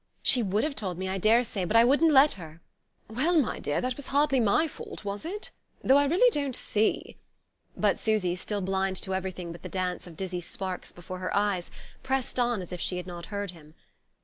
"She would have told me, I daresay but I wouldn't let her." "Well, my dear, that was hardly my fault, was it? Though I really don't see " But Susy, still blind to everything but the dance of dizzy sparks before her eyes, pressed on as if she had not heard him.